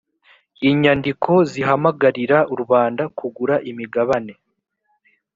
inyandiko zihamagarira rubanda kugura imigabane